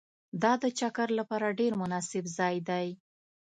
دا د چکر لپاره ډېر مناسب ځای دی